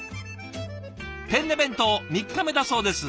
「ペンネ弁当３日目」だそうです。